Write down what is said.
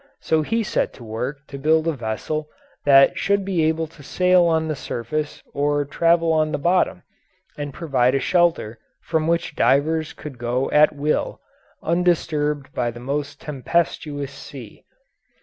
So he set to work to build a vessel that should be able to sail on the surface or travel on the bottom, and provide a shelter from which divers could go at will, undisturbed by the most tempestuous sea.